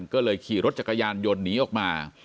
ก็เลยขี่รถจักรยานยนต์หนีออกมา